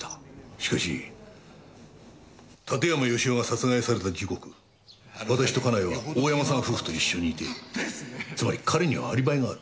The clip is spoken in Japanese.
しかし館山義男が殺害された時刻私と家内は大山さん夫婦と一緒にいてつまり彼にはアリバイがある。